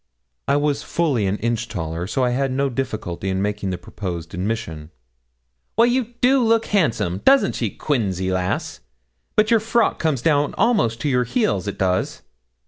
I was fully an inch taller, so I had no difficulty in making the proposed admission. 'Well, you do look handsome! doesn't she, Quinzy, lass? but your frock comes down almost to your heels it does.'